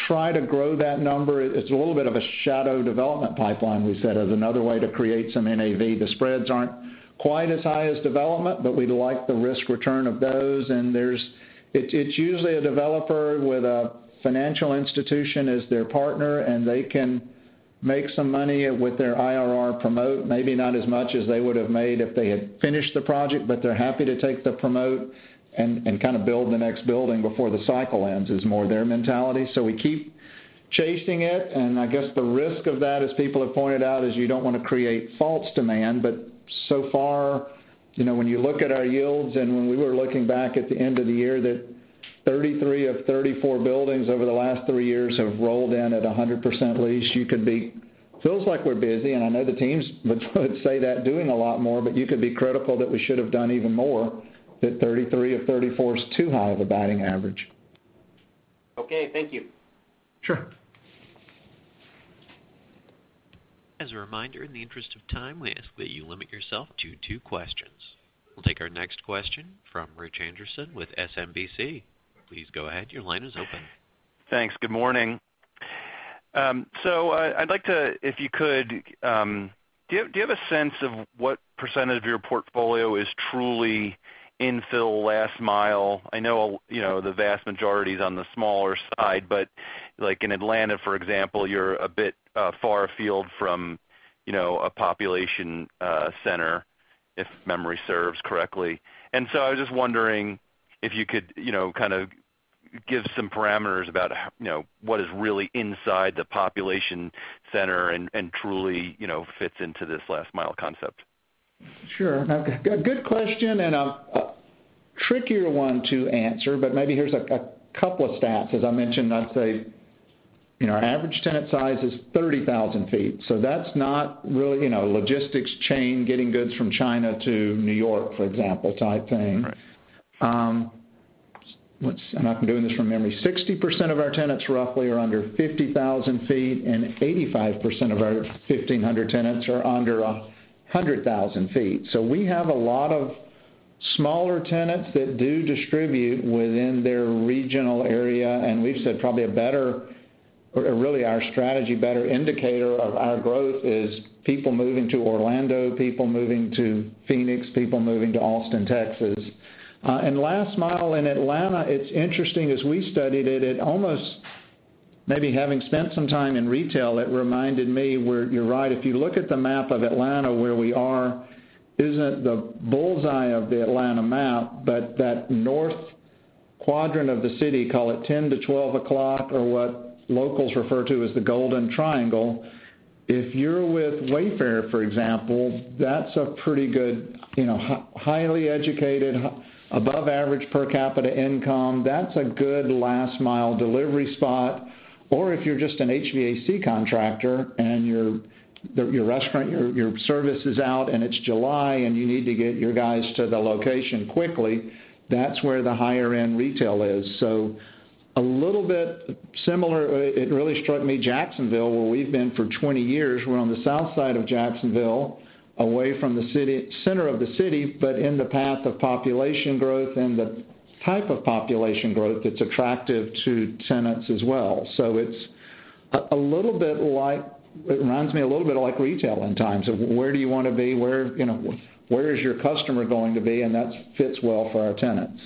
try to grow that number. It's a little bit of a shadow development pipeline, we said, as another way to create some NAV. The spreads aren't quite as high as development, but we like the risk-return of those. It's usually a developer with a financial institution as their partner, and they can make some money with their IRR promote. Maybe not as much as they would have made if they had finished the project, they're happy to take the promote and build the next building before the cycle ends, is more their mentality. We keep chasing it, and I guess the risk of that, as people have pointed out, is you don't want to create false demand. So far, when you look at our yields and when we were looking back at the end of the year, that 33 of 34 buildings over the last three years have rolled in at 100% leased. Feels like we're busy, and I know the teams would say that doing a lot more, but you could be critical that we should have done even more, that 33 of 34 is too high of a batting average. Okay. Thank you. Sure. As a reminder, in the interest of time, we ask that you limit yourself to two questions. We'll take our next question from Rich Anderson with SMBC. Please go ahead. Your line is open. Thanks. Good morning. I'd like to, if you could, do you have a sense of what percentage of your portfolio is truly infill last mile? I know the vast majority is on the smaller side, but like in Atlanta, for example, you're a bit far afield from a population center, if memory serves correctly. I was just wondering if you could give some parameters about what is really inside the population center and truly fits into this last mile concept. Sure. Good question, a trickier one to answer, maybe here's a couple of stats. As I mentioned, I'd say our average tenant size is 30,000 feet. That's not really logistics chain, getting goods from China to New York, for example, type thing. Right. I've been doing this from memory. 60% of our tenants, roughly, are under 50,000 feet, and 85% of our 1,500 tenants are under 100,000 feet. We have a lot of smaller tenants that do distribute within their regional area, and we've said probably a better, or really our strategy, better indicator of our growth is people moving to Orlando, people moving to Phoenix, people moving to Austin, Texas. Last mile in Atlanta, it's interesting as we studied it almost, maybe having spent some time in retail, it reminded me where you're right. If you look at the map of Atlanta, where we are isn't the bullseye of the Atlanta map. That north quadrant of the city, call it 10 to 12 o'clock, or what locals refer to as the Golden Triangle. If you're with Wayfair, for example, that's a pretty good, highly educated, above average per capita income. That's a good last mile delivery spot. If you're just an HVAC contractor and your restaurant, your service is out and it's July, and you need to get your guys to the location quickly, that's where the higher end retail is. A little bit similar. It really struck me, Jacksonville, where we've been for 20 years. We're on the south side of Jacksonville, away from the center of the city, but in the path of population growth and the type of population growth that's attractive to tenants as well. It reminds me a little bit like retail in times of where do you want to be, where is your customer going to be, and that fits well for our tenants.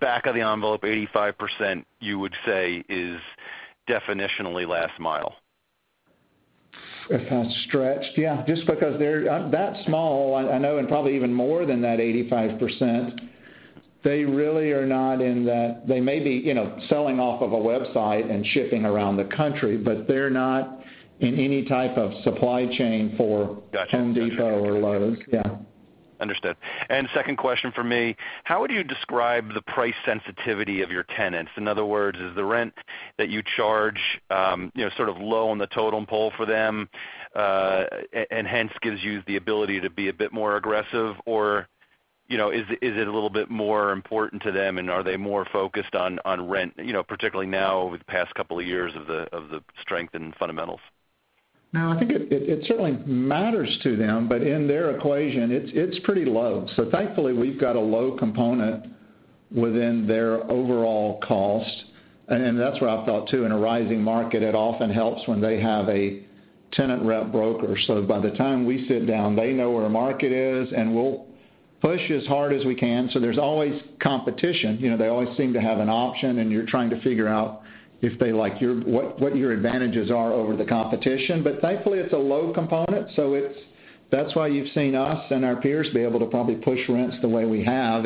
Back of the envelope, 85%, you would say is definitionally last mile. If that's stretched, yeah. Just because they're that small, I know, and probably even more than that 85%, they may be selling off of a website and shipping around the country, but they're not in any type of supply chain for- Got you. Home Depot or Lowe's. Yeah. Understood. Second question from me, how would you describe the price sensitivity of your tenants? In other words, is the rent that you charge low on the totem pole for them, and hence gives you the ability to be a bit more aggressive? Or is it a little bit more important to them, and are they more focused on rent, particularly now over the past couple of years of the strength in fundamentals? No, I think it certainly matters to them, but in their equation, it's pretty low. Thankfully, we've got a low component within their overall cost. That's what I've felt too, in a rising market, it often helps when they have a tenant rep broker. By the time we sit down, they know where a market is, and we'll push as hard as we can. There's always competition. They always seem to have an option, and you're trying to figure out what your advantages are over the competition. Thankfully, it's a low component, so that's why you've seen us and our peers be able to probably push rents the way we have.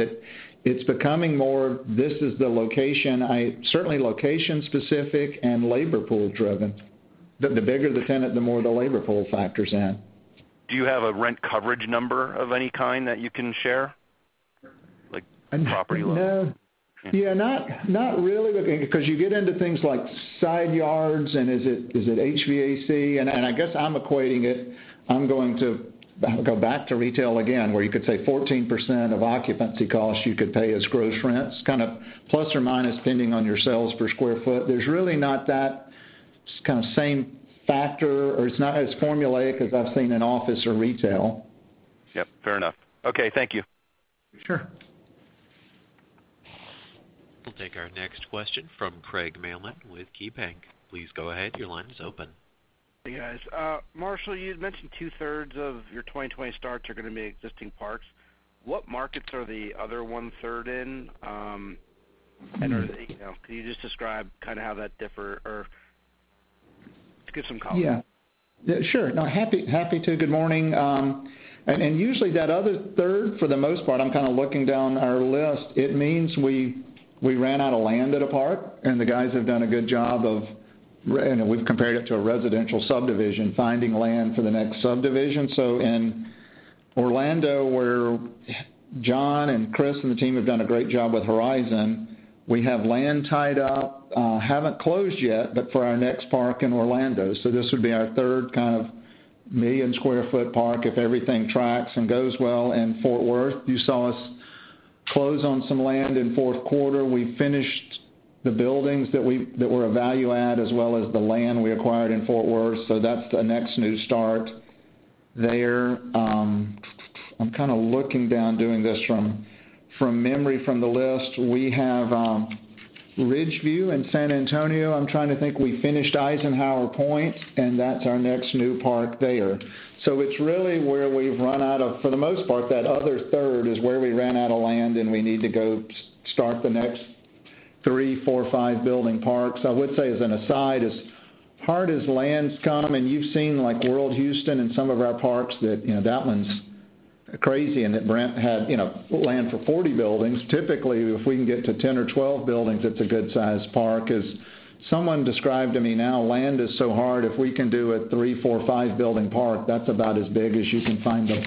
It's becoming more, this is the location. Certainly location specific and labor pool driven. The bigger the tenant, the more the labor pool factors in. Do you have a rent coverage number of any kind that you can share, like property level? No. Yeah, not really. You get into things like side yards and is it HVAC? I guess I'm equating it, I'm going to go back to retail again, where you could say 14% of occupancy costs you could pay as gross rents, kind of plus or minus depending on your sales per square foot. There's really not that kind of same factor, or it's not as formulaic as I've seen in office or retail. Yep, fair enough. Okay, thank you. Sure. We'll take our next question from Craig Mailman with KeyBanc. Please go ahead, your line is open. Hey, guys. Marshall, you had mentioned two-thirds of your 2020 starts are going to be existing parks. What markets are the other one-third in? Can you just describe how that differ, or just give some color? Yeah. Sure. No, happy to. Good morning. Usually, that other third, for the most part, I'm kind of looking down our list. It means we ran out of land at a park, and the guys have done a good job of, we've compared it to a residential subdivision, finding land for the next subdivision. In Orlando, where John and Chris and the team have done a great job with Horizon, we have land tied up, haven't closed yet, but for our next park in Orlando. This would be our third million square foot park if everything tracks and goes well. In Fort Worth, you saw us close on some land in fourth quarter. We finished the buildings that were a value add, as well as the land we acquired in Fort Worth. That's the next new start there. I'm kind of looking down, doing this from memory from the list. We have Ridgeview in San Antonio. I'm trying to think. We finished Eisenhower Point, and that's our next new park there. It's really where we've run out of, for the most part, that other third is where we ran out of land, and we need to go start the next three, four, five building parks. I would say, as an aside, as hard as lands come, and you've seen like World Houston and some of our parks that one's crazy, and that Brent had land for 40 buildings. Typically, if we can get to 10 or 12 buildings, it's a good size park. As someone described to me, now land is so hard, if we can do a three, four, five building park, that's about as big as you can find the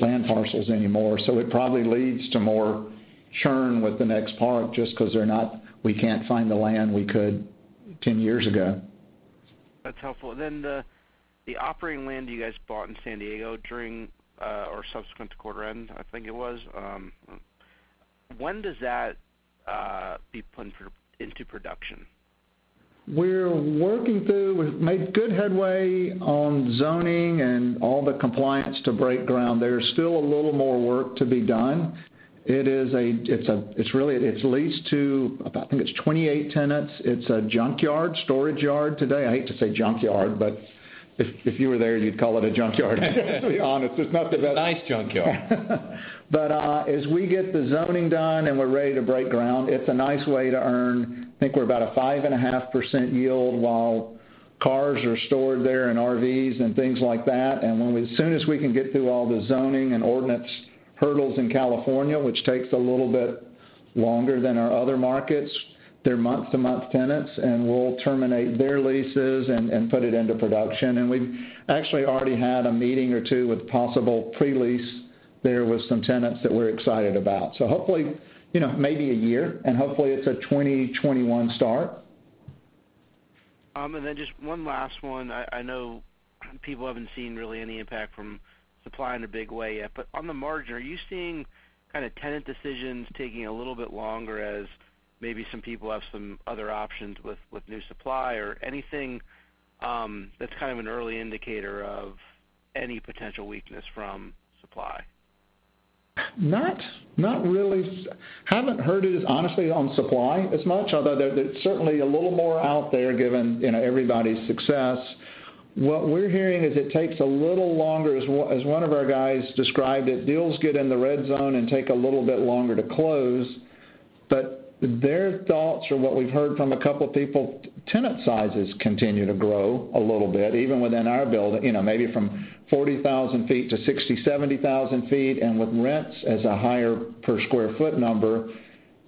land parcels anymore. It probably leads to more churn with the next park just because we can't find the land we could 10 years ago. That's helpful. Then the operating land that you guys bought in San Diego during, or subsequent to quarter end, I think it was. When does that be put into production? We're working through, we've made good headway on zoning and all the compliance to break ground. There's still a little more work to be done. It leased to about, I think it's 28 tenants. It's a junkyard, storage yard today. I hate to say junkyard, but if you were there, you'd call it a junkyard, to be honest. A nice junkyard. As we get the zoning done and we're ready to break ground, it's a nice way to earn, I think we're about a 5.5% yield while cars are stored there and RVs and things like that. As soon as we can get through all the zoning and ordinance hurdles in California, which takes a little bit longer than our other markets, they're month-to-month tenants, and we'll terminate their leases and put it into production. We've actually already had a meeting or two with possible pre-lease there with some tenants that we're excited about. Hopefully, maybe a year, and hopefully it's a 2021 start. Then just one last one. I know people haven't seen really any impact from supply in a big way yet. On the margin, are you seeing tenant decisions taking a little bit longer as maybe some people have some other options with new supply or anything that's kind of an early indicator of any potential weakness from supply? Not really. Haven't heard it, honestly, on supply as much, although there's certainly a little more out there given everybody's success. What we're hearing is it takes a little longer, as one of our guys described it, deals get in the red zone and take a little bit longer to close. Their thoughts, or what we've heard from a couple people, tenant sizes continue to grow a little bit, even within our building. Maybe from 40,000 feet to 60,000, 70,000 feet, and with rents as a higher per square foot number,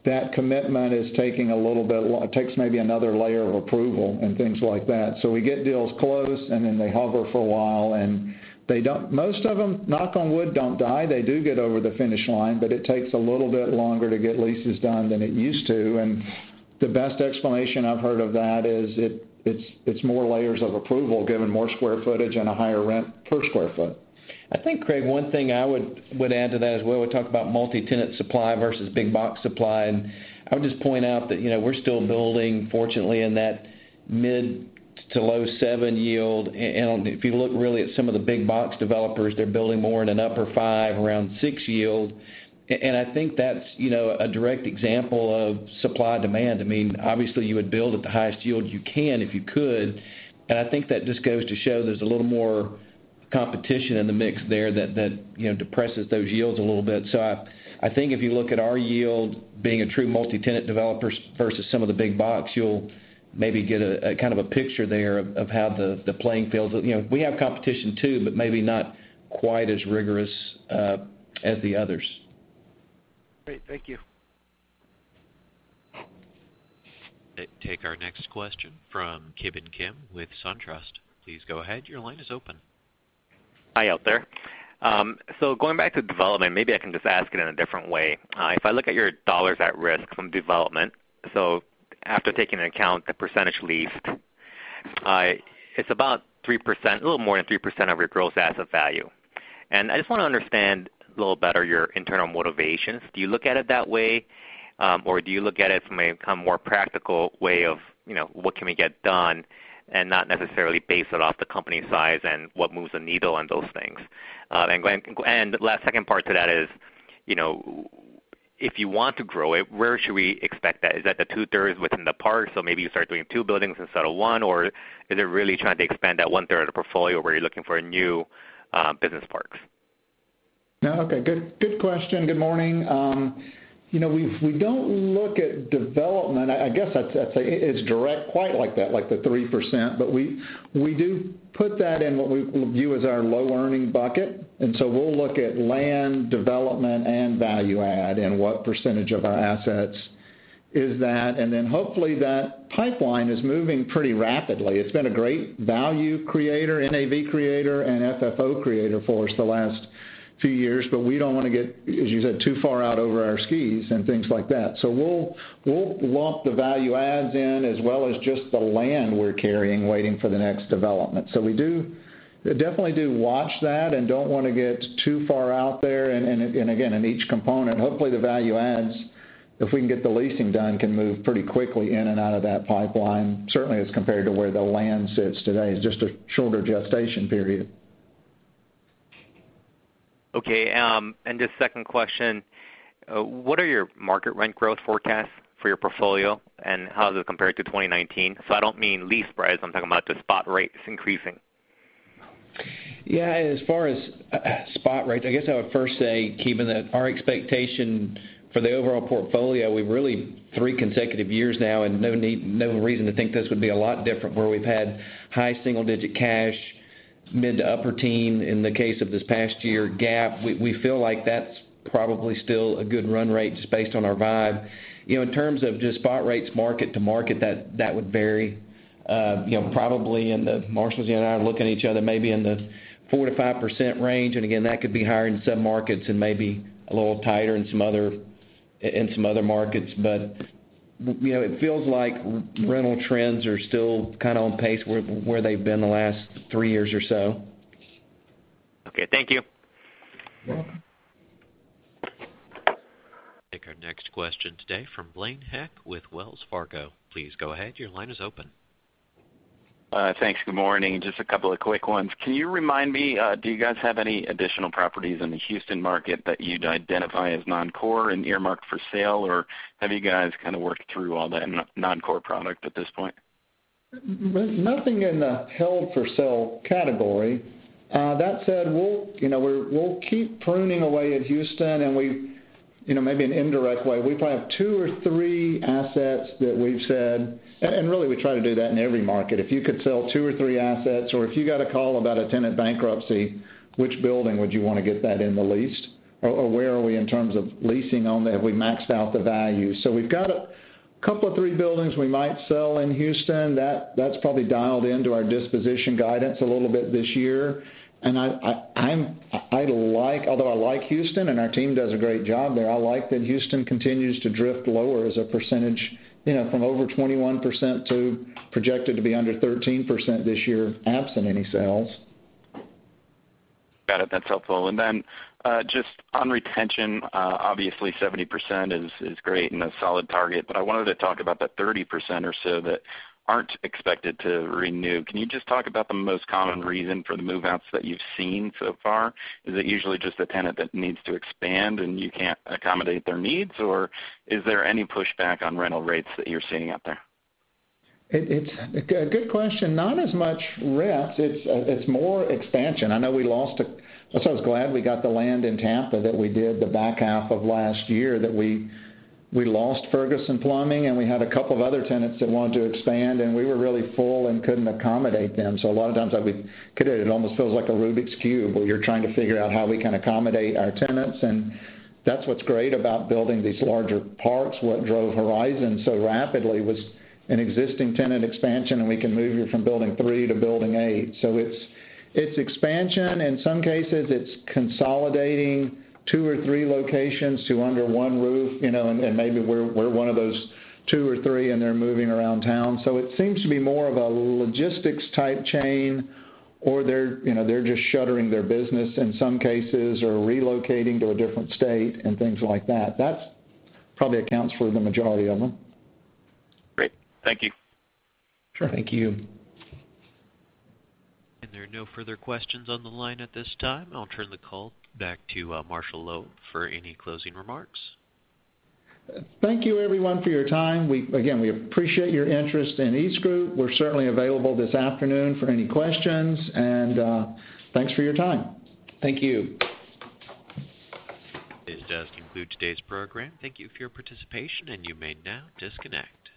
that commitment takes maybe another layer of approval and things like that. We get deals closed, and then they hover for a while, and most of them, knock on wood, don't die. They do get over the finish line, but it takes a little bit longer to get leases done than it used to. The best explanation I've heard of that is it's more layers of approval given more square footage and a higher rent per square foot. I think, Craig, one thing I would add to that as well, we talk about multi-tenant supply versus big box supply. I would just point out that we're still building, fortunately, in that mid to low seven yield. If you look really at some of the big box developers, they're building more in an upper five, around six yield. I think that's a direct example of supply-demand. Obviously, you would build at the highest yield you can if you could. I think that just goes to show there's a little more competition in the mix there that depresses those yields a little bit. I think if you look at our yield being a true multi-tenant developer versus some of the big box, you'll maybe get a picture there of how the playing field. We have competition too, but maybe not quite as rigorous as the others. Great. Thank you. Take our next question from Ki Bin Kim with SunTrust. Please go ahead. Your line is open. Hi out there. Going back to development, maybe I can just ask it in a different way. If I look at your dollars at risk from development, after taking into account the percentage leased, it's a little more than 3% of your gross asset value. I just want to understand a little better your internal motivations. Do you look at it that way? Or do you look at it from a more practical way of what can we get done and not necessarily base it off the company size and what moves the needle on those things? The last second part to that is, if you want to grow it, where should we expect that? Is that the two-thirds within the park, so maybe you start doing two buildings instead of one, or is it really trying to expand that one-third of the portfolio where you're looking for new business parks? No. Okay. Good question. Good morning. We don't look at development, I guess I'd say, as direct quite like that, like the 3%, but we do put that in what we view as our low earning bucket. We'll look at land development and value add and what percentage of our assets is that. Hopefully that pipeline is moving pretty rapidly. It's been a great value creator, NAV creator, and FFO creator for us the last few years. We don't want to get, as you said, too far out over our skis and things like that. We'll lump the value adds in, as well as just the land we're carrying, waiting for the next development. We definitely do watch that and don't want to get too far out there. Again, in each component, hopefully the value adds, if we can get the leasing done, can move pretty quickly in and out of that pipeline. Certainly as compared to where the land sits today. It's just a shorter gestation period. Okay. Just second question, what are your market rent growth forecasts for your portfolio, and how does it compare to 2019? I don't mean lease spreads, I'm talking about just spot rates increasing. Yeah. As far as spot rates, I guess I would first say, Ki Bin, that our expectation for the overall portfolio, we've really, three consecutive years now and no reason to think this would be a lot different, where we've had high single-digit cash, mid to upper-teen, in the case of this past year, GAAP. We feel like that's probably still a good run rate, just based on our vibe. In terms of just spot rates market-to-market, that would vary. Probably, Marshall, as you and I are looking at each other, maybe in the 4%-5% range, and again, that could be higher in some markets and maybe a little tighter in some other markets. It feels like rental trends are still on pace where they've been the last three years or so. Okay. Thank you. You're welcome. Take our next question today from Blaine Heck with Wells Fargo. Please go ahead, your line is open. Thanks. Good morning. Just a couple of quick ones. Can you remind me, do you guys have any additional properties in the Houston market that you'd identify as non-core and earmarked for sale, or have you guys kind of worked through all that non-core product at this point? Nothing in the held for sale category. That said, we'll keep pruning away at Houston and maybe in an indirect way. We probably have two or three assets that we've said. Really, we try to do that in every market. If you could sell two or three assets, or if you got a call about a tenant bankruptcy, which building would you want to get that in the least? Where are we in terms of leasing on that? Have we maxed out the value? We've got a couple or three buildings we might sell in Houston. That's probably dialed into our disposition guidance a little bit this year. Although I like Houston and our team does a great job there, I like that Houston continues to drift lower as a percentage. From over 21% to projected to be under 13% this year, absent any sales. Got it. That's helpful. Then, just on retention, obviously 70% is great and a solid target, but I wanted to talk about that 30% or so that aren't expected to renew. Can you just talk about the most common reason for the move-outs that you've seen so far? Is it usually just a tenant that needs to expand and you can't accommodate their needs, or is there any pushback on rental rates that you're seeing out there? It's a good question. Not as much rent, it's more expansion. I know we lost. That's why I was glad we got the land in Tampa that we did the back half of last year, that we lost Ferguson Plumbing and we had a couple of other tenants that wanted to expand, and we were really full and couldn't accommodate them. A lot of times, it almost feels like a Rubik's Cube, where you're trying to figure out how we can accommodate our tenants, and that's what's great about building these larger parks. What drove Horizon so rapidly was an existing tenant expansion, and we can move you from building three to building eight. It's expansion. In some cases, it's consolidating two or three locations to under one roof, and maybe we're one of those two or three, and they're moving around town. It seems to be more of a logistics-type chain, or they're just shuttering their business in some cases, or relocating to a different state and things like that. That probably accounts for the majority of them. Great. Thank you. Sure. Thank you. There are no further questions on the line at this time. I'll turn the call back to Marshall Loeb for any closing remarks. Thank you everyone for your time. We appreciate your interest in EastGroup. We're certainly available this afternoon for any questions, and thanks for your time. Thank you. This does conclude today's program. Thank you for your participation, and you may now disconnect.